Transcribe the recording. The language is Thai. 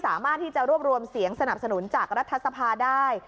สามารถที่จะรวบรวมเสียงสนับสนุนจากรัฐสภาได้